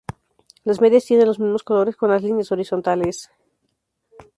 Las medias tienen los mismos colores con las líneas horizontales.